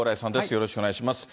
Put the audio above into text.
よろしくお願いします。